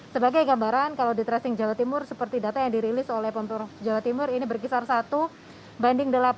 sebagai gambaran kalau di tracing jawa timur seperti data yang dirilis oleh pemerintah jawa timur ini berkisar satu banding delapan